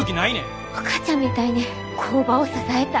お母ちゃんみたいに工場を支えたい。